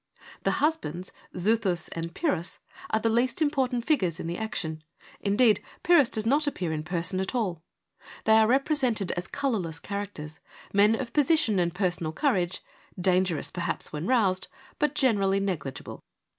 The husbands, Xuthus and Pyrrhus, are the least important figures in the action ; indeed, Pyrrhus does not appear in person n6 FEMINISM IN GREEK LITERATURE at all. They are represented as colourless characters ; men of position and personal courage, dangerous, perhaps, when roused, but generally negligible.